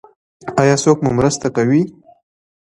ایا څوک مو مرسته کوي؟